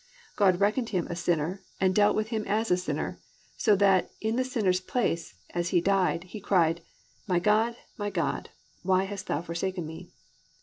God reckoned Him a sinner and dealt with Him as a sinner, so that in the sinner's place, as He died, He cried, +"My God, my God, why hast thou forsaken me?"